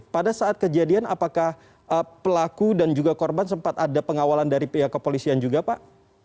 pada saat kejadian apakah pelaku dan juga korban sempat ada pengawalan dari pihak kepolisian juga pak